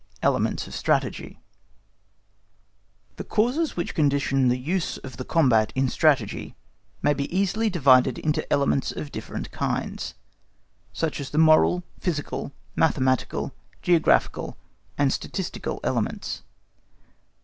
Elements of Strategy The causes which condition the use of the combat in Strategy may be easily divided into elements of different kinds, such as the moral, physical, mathematical, geographical and statistical elements.